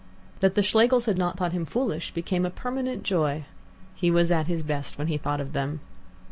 That the Schlegels had not thought him foolish became a permanent joy. He was at his best when he thought of them.